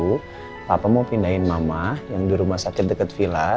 jadi kita harus bawa renda ke rumah yang di rumah sakit deket villa